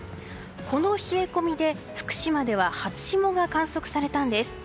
この冷え込みで福島では初霜が観測されたんです。